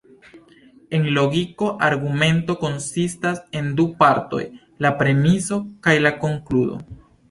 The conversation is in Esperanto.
En logiko argumento konsistas el du partoj: la premisoj kaj la konkludo.